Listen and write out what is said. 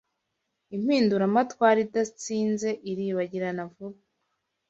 Impinduramatwara idatsinze iribagirana vuba